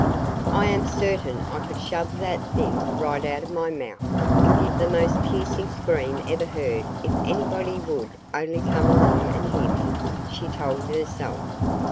"I am certain I could shove that thing right out of my mouth and give the most piercing scream ever heard if somebody would only come along and hear me," she told herself.